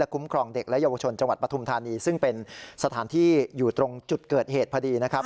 คุ้มครองเด็กและเยาวชนจังหวัดปฐุมธานีซึ่งเป็นสถานที่อยู่ตรงจุดเกิดเหตุพอดีนะครับ